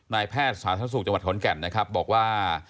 นายแพทย์สถานศัตรูศูนย์จังหวัดขนแก่นนะครับบอกว่า